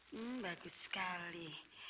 hmm bagus sekali